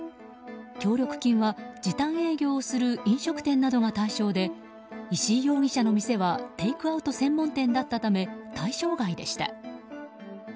協力金は時短営業をする飲食店などが対象で石井容疑者の店はテイクアウト専門店だったため対象外でした。